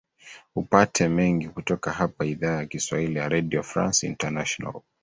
upate mengi kutoka hapa idhaa ya kiswahili ya redio france international